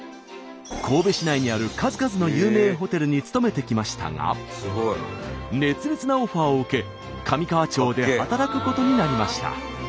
神戸市内にある数々の有名ホテルに勤めてきましたが熱烈なオファーを受け神河町で働くことになりました。